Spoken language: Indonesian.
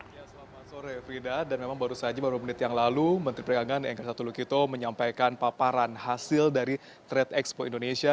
ya selamat sore frida dan memang baru saja baru menit yang lalu menteri perdagangan enggar satu lukito menyampaikan paparan hasil dari trade expo indonesia